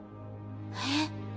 えっ？